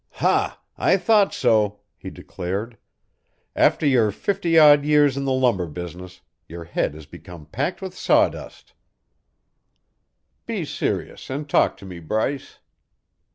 "Ha! I thought so," he declared. "After your fifty odd years in the lumber business your head has become packed with sawdust " "Be serious and talk to me, Bryce."